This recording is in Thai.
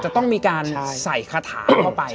จะต้องมีการใส่คาถาเข้าไป